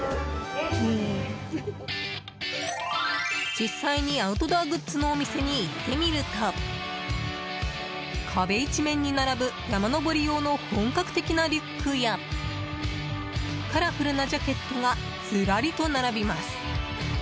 実際に、アウトドアグッズのお店に行ってみると壁一面に並ぶ山登り用の本格的なリュックやカラフルなジャケットがずらりと並びます。